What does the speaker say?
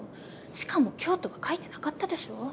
しかも今日とは書いてなかったでしょ